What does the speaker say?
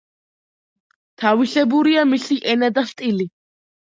თავისებურია მისი ენა და სტილი.